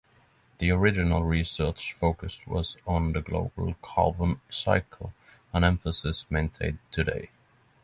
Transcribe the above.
The original research focus was on the global carbon cycle, an emphasis maintained today.